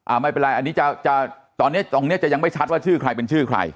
อ่าไม่เป็นไรตรงนี้จะยังไม่ชัดว่าชื่อใครเป็นชื่อใคร